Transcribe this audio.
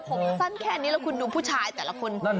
ผมสั้นแค่นี้แล้วคุณดูผู้ชายแต่ละคน